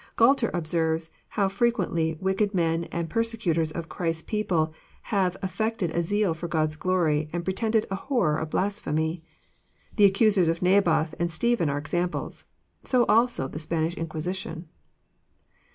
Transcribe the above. Gualter observes, how A>equently wicked men and persecutors^ of Christ's people have affected a zeal for God's glory and pre tended a horror of blasphemy. The accusers of Naboth and Stephen are examples : so also the Spanish Inquisition.